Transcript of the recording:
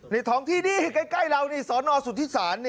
ในท้องที่นี่ใกล้เรานี่สอนอสุทธิษฐานนี่